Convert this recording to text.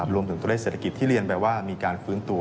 รวมถึงตัวเลขเศรษฐกิจที่เรียนไปว่ามีการฟื้นตัว